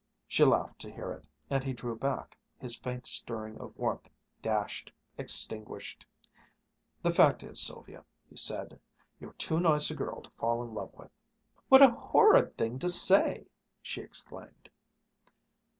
She laughed to hear it, and he drew back, his faint stirring of warmth dashed, extinguished. "The fact is, Sylvia," he said, "you're too nice a girl to fall in love with." "What a horrid thing to say!" she exclaimed.